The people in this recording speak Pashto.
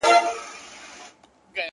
هر کس باید دوې درې جوړې جامې ولري